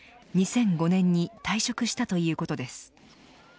２００５年に退職したということです。